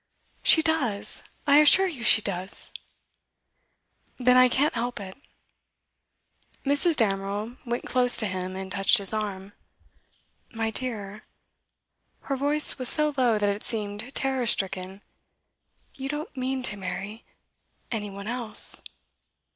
'She does! I assure you she does!' 'Then I can't help it.' Mrs. Damerel went close to him, and touched his arm. 'My dear,' her voice was so low that it seemed terror stricken, 'you don't mean to marry any one else?